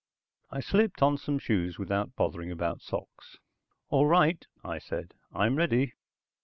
I slipped on some shoes without bothering about socks. "All right," I said. "I'm ready."